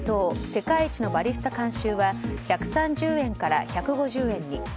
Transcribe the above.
世界一のバリスタ監修は１３０円から１５０円に。